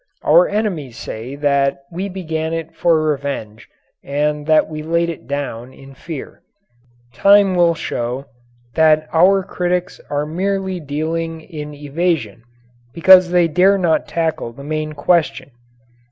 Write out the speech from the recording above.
Our enemies say that we began it for revenge and that we laid it down in fear. Time will show that our critics are merely dealing in evasion because they dare not tackle the main question.